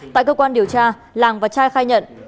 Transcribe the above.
tại cơ quan điều tra làng và trai khai nhận